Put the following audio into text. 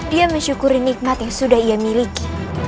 dia mensyukuri nikmat yang sudah ia miliki